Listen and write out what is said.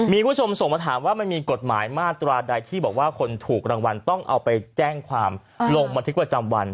มีผู้ชมส่งมาถามว่ามันมีกฎหมายมาตราใดที่บอกว่าคนถูกรางวัลต้องเอาไปแจ้งความลงบันทึกประจำวัน